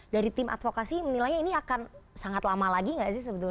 dari tim advokasi menilainya ini akan sangat lama lagi nggak sih sebetulnya